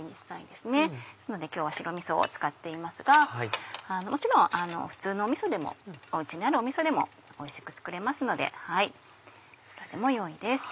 ですので今日は白みそを使っていますがもちろん普通のみそでもお家にあるみそでもおいしく作れますのでどちらでもよいです。